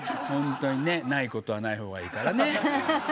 ホントにねないことはない方がいいからね。